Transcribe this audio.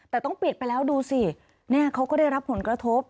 แต่ต้องปิดไปแล้วดูสิเนี่ยเขาก็ได้รับผลกระทบ